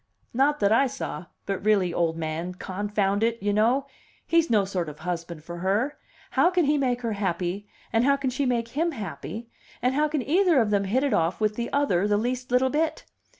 "Not that I saw. But really, old man, confound it, you know! He's no sort of husband for her. How can he make her happy and how can she make him happy, and how can either of them hit it off with the other the least little bit?